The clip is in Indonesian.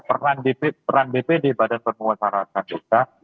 peran bp di badan penguasarakan desa